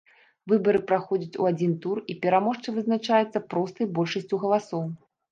Выбары праходзяць у адзін тур і пераможца вызначаецца простай большасцю галасоў.